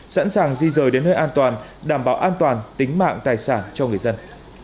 sẵn sàng di rời đến nơi an toàn đảm bảo an toàn tính mạng tài sản cho người dân